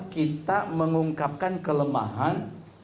kita mengungkapkan kelemahan